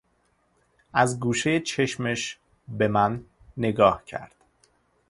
از گوشهی چشمش به من نگاه کرد.